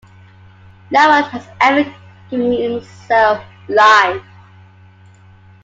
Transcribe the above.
No-one has ever given himself life.